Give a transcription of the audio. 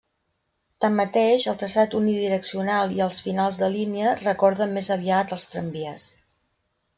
Tanmateix el traçat unidireccional i els finals de línia recorden més aviat els tramvies.